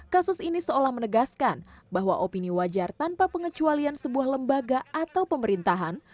kasus ini seolah menegaskan bahwa opini wajar tanpa pengecualian sebuah lembaga atau pemerintahan